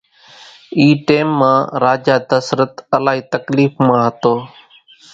اِي ٽيم مان راجا دسرت الائي تڪليڦ مان ھتو